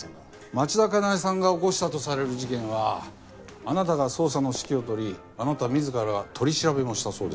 町田加奈江さんが起こしたとされる事件はあなたが捜査の指揮を執りあなた自ら取り調べもしたそうですね。